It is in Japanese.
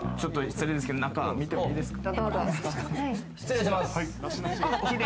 失礼ですが中、見てもいいですか？